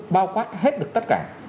bao quát hết được tất cả